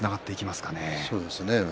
そうですね。